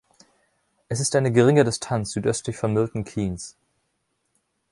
Es ist eine geringe Distanz südöstlich von Milton Keynes.